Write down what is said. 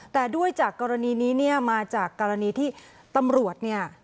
แต่ด้วยจากกรณีนี้เนี่ยมาจากกรณีที่ตำรวจเนี่ย